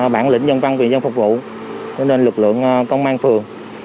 bản lĩnh dân văn vị dân phục vụ cho nên lực lượng công an phường